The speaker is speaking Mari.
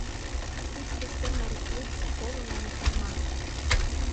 — Ик тесте наре плуг, коло наре тырма.